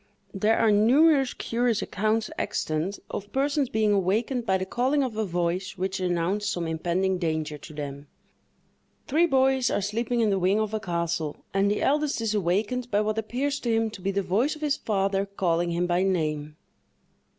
There are numerous curious accounts extant of persons being awakened by the calling of a voice which announced some impending danger to them. Three boys are sleeping in the wing of a castle, and the eldest is awakened by what appears to him to be the voice of his father calling him by name.